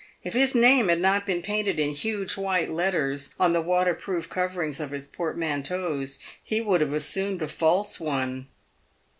If his name had not been painted in huge white letters on the waterproof coverings of his portmanteaus, he would have assumed a false one.